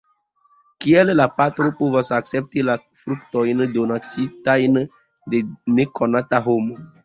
Kiel la patro povos akcepti la fruktojn, donacitajn de nekonata homo.